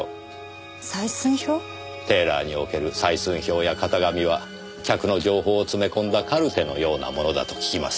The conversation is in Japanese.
テーラーにおける採寸表や型紙は客の情報を詰め込んだカルテのようなものだと聞きます。